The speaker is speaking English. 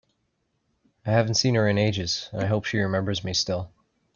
I haven’t seen her in ages, and I hope she remembers me still!